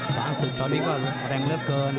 ช้างสึกตอนนี้ก็แรงเลือดเกิน